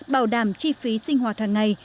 bảo đảm chi phí sinh hoạt hàng ngày